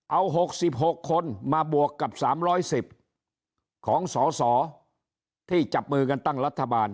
เอาหกสิบหกคนมาบวกกับสามร้อยสิบของสวที่จับมือกันตั้งรัฐบาล